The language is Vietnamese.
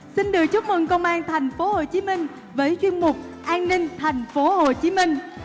xin được chúc mừng công an thành phố hồ chí minh với chuyên mục an ninh thành phố hồ chí minh